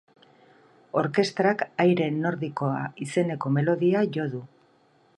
Orkestrak aire nordikoa izeneko melodia jo du.